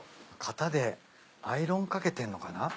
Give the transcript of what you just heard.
型でアイロンかけてんのかな？